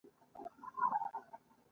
منډه د بدن ځواک ښيي